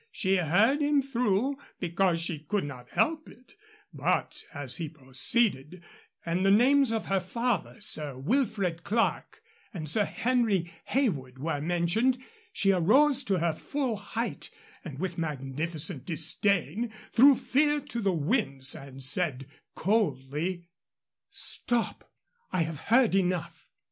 She heard him through, because she could not help it, but as he proceeded, and the names of her father, Sir Wilfred Clerke, and Sir Henry Heywood were mentioned, she arose to her full height, and with magnificent disdain threw fear to the winds and said, coldly: "Stop! I have heard enough."